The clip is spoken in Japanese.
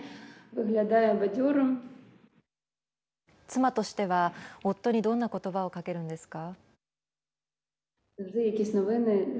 妻としては夫にどんな言葉をかけるんですか。